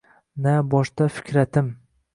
Na boshda fikratim.